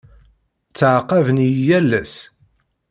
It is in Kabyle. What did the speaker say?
Ttɛaqaben-iyi yal ass.